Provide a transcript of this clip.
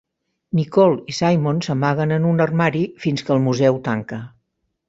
Nicole i Simon s'amaguen en un armari fins que el museu tanca.